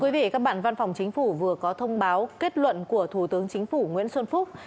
quý vị các bạn văn phòng chính phủ vừa có thông báo kết luận của thủ tướng chính phủ nguyễn xuân phúc